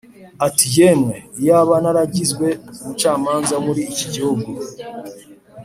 ati “Yemwe, iyaba naragizwe umucamanza wo muri iki gihugu